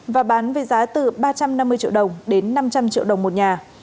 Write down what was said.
và bán với giá từ ba trăm năm mươi triệu đồng đến năm trăm linh triệu đồng một nhà